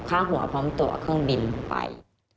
ข้างหัวพร้อมตัวเครื่องบินไป